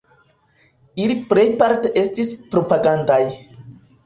Ili plejparte estis propagandaj.